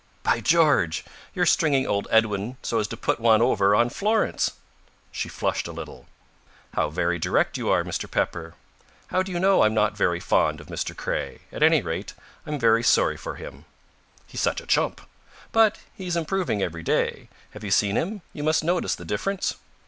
"By George! You're stringing old Edwin so as to put one over on Florence?" She flushed a little. "How very direct you are, Mr. Pepper! How do you know I'm not very fond of Mr. Craye? At any rate, I'm very sorry for him." "He's such a chump." "But he's improving every day. Have you seen him? You must notice the difference?"